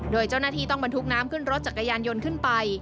โดยเจ้าหน้าที่ต้องบรรทุกน้ำขึ้นรถจักรยานยนต์ขึ้นไป